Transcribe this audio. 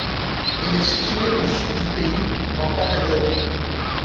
Elle est située au sud du pays, en Patagonie.